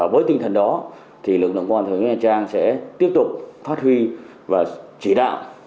với tinh thần đó lực lượng công an thành phố nha trang sẽ tiếp tục phát huy và chỉ đạo